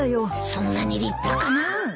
そんなに立派かなあ。